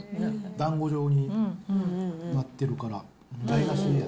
だんご状になってるから、台無し。